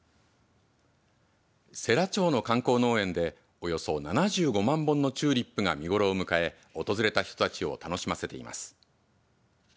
世羅町の観光農園でおよそ７５万本のチューリップが見頃を迎え、訪れた人たちを楽しませています。